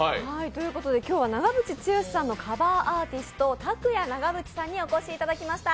今日は長渕剛さんのカバーアーティスト、ＴａｋｕｙａＮａｇａｂｕｃｈｉさんにお越しいただきました。